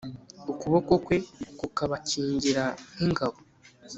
ukuboko kwe kukabakingira nk'ingabo